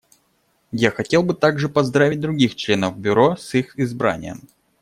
Я хотел бы также поздравить других членов Бюро с их избранием.